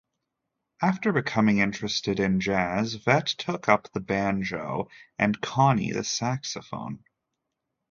After becoming interested in jazz, Vet took up the banjo and Connie the saxophone.